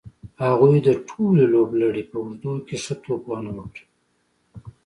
هغوی د ټولې لوبلړۍ په اوږدو کې ښه توپ وهنه وکړه.